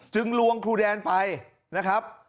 ลวงครูแดนไปนะครับ